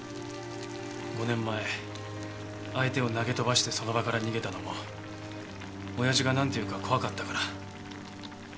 ５年前相手を投げ飛ばしてその場から逃げたのも親父がなんて言うか怖かったから。